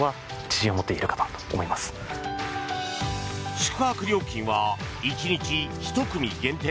宿泊料金は１日１組限定